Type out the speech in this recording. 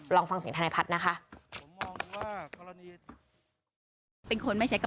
ลองฟังเสียงธนายพัฒน์นะคะ